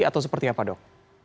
atau seperti apa dok